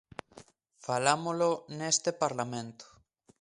Falámolo neste Parlamento.